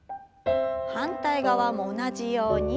反対側も同じように。